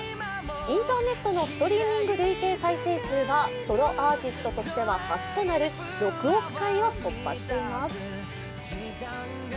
インターネットのストリーミング累計再生数はソロアーティストとしては初となる６億回を突破しています。